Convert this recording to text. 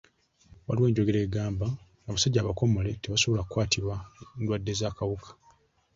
Waaliwo enjogera egamba; abasajja abakomole tebasobola kukwatibwa ndwadde z'akawuka.